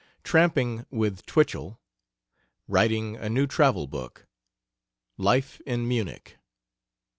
TRAMPING WITH TWICHELL. WRITING A NEW TRAVEL BOOK. LIFE IN MUNICH.